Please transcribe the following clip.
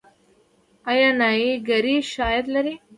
آیا نایي ګري ښه عاید لري؟